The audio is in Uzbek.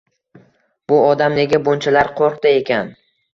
Bu odam nega bunchalar qo`rqdi ekan